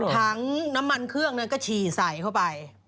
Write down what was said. ถังน้ำมันเครื่องก็ฉี่ใส่เข้าไป